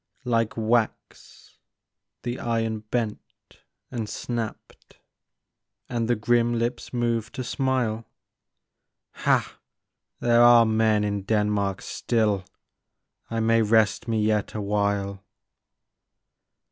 Like wax the iron bent and snapped, And the grim lips moved to smile. " Ha ! There are men in Denmark still ; I may rest me yet a while."